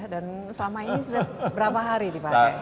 dan selama ini sudah berapa hari dipakai